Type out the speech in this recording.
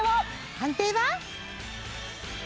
判定は。